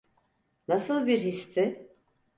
Nasıl bir histi?